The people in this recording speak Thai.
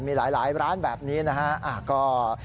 มีหลายร้านแบบนี้นะฮะ